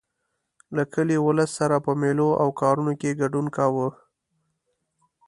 له کلي ولس سره په مېلو او کارونو کې ګډون کاوه.